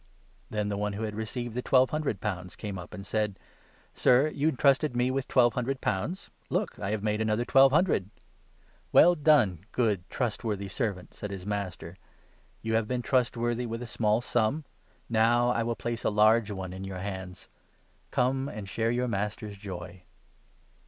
' Then the one who had received the twelve hundred pounds 22 came up and said ' Sir, you entrusted me with twelve hun dred pounds ; look, I have made another twelve hundred !'' Well done, good, trustworthy servant !' said his master. 23 ' You have been trustworthy with a small sum ; now I will place a large one in your hands ; come and share your master's joy